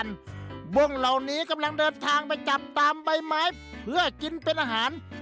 บ้งเหล่านี้กำลังเดินทางไปจับตามใบไม้เพื่อกินเป็นอาหาร